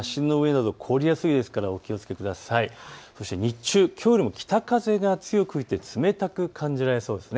そして日中、きょうよりも北風が強く吹いて冷たく感じられそうです。